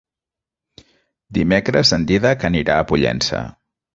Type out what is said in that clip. Dimecres en Dídac anirà a Pollença.